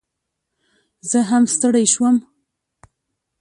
زه هم ستړي شوم